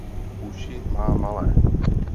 Uši má malé.